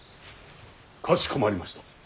かしこまりました。